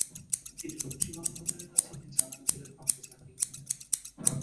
তিনি রূপসী বাংলা হোটেলের কাছে একটি জ্বালানি তেলের পাম্পে চাকরি করতেন।